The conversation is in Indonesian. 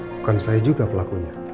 bukan saya juga pelakunya